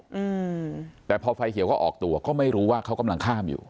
อืมแต่พอไฟเขียวก็ออกตัวก็ไม่รู้ว่าเขากำลังข้ามอยู่